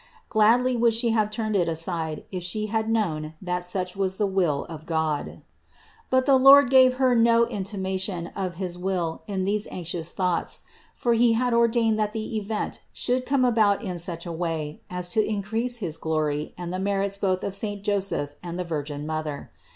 Gladly would She have turned it aside if She had known that such was the will of God. But the Lord gave Her no intimation of his will in these anxious thoughts; for He had ordained that the event should come about in such a way as to increase his glory and the merits both of saint Joseph and of the Virgin Mother.